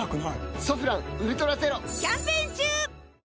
「ソフランウルトラゼロ」キャンペーン中！